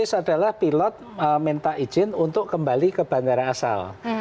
return to base adalah pilot minta izin untuk kembali ke bandara asal